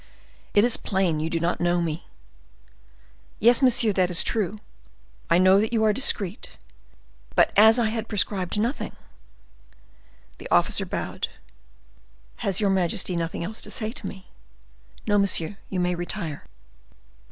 It is plain you do not know me." "Yes, monsieur, that is true. I know that you are discreet; but as I had prescribed nothing—" The officer bowed. "Has your majesty nothing else to say to me?" "No, monsieur; you may retire."